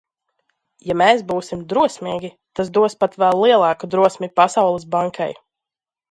Ja mēs būsim drosmīgi, tas dos pat vēl lielāku drosmi Pasaules Bankai.